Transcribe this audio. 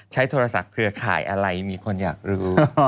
ใช้โทรศัพท์เครือข่ายอะไรมีคนอยากรู้